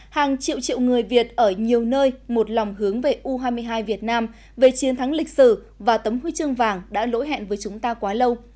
hàng triệu triệu người việt ở nhiều nơi một lòng hướng về u hai mươi hai việt nam về chiến thắng lịch sử và tấm huy chương vàng đã lỗi hẹn với chúng ta quá lâu